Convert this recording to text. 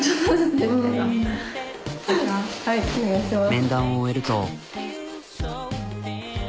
面談を終えると。